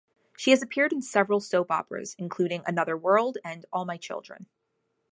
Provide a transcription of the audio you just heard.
She has appeared in several soap operas, including "Another World" and "All My Children".